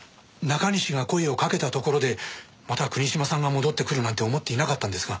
中西が声をかけたところでまた国島さんが戻ってくるなんて思っていなかったんですが。